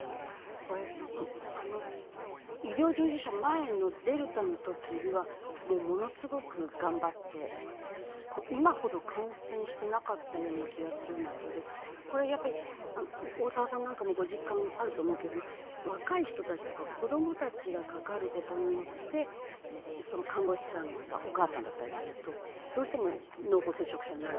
医療従事者、前のデルタの時には、ものすごく頑張って今ほど感染してなかったような気がするんですけど、大沢さんなんかもご実感あると思うけど、若い人たちとか子供たちがかかることによって、看護師さん、お母さんだったりすると、どうしても濃厚接触者になる。